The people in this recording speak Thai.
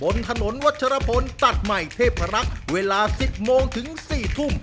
บนถนนวัชรพลตัดใหม่เทพรักษ์เวลา๑๐โมงถึง๔ทุ่ม